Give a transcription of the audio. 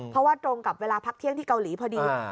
เพราะว่าตรงกับเวลาพักเที่ยงที่เกาหลีพอดี